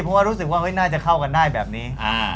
เพราะว่ารู้สึกว่าน่าจะเข้ากันได้แบบนี้